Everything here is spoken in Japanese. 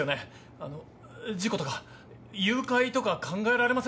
あの事故とか誘拐とか考えられませんか？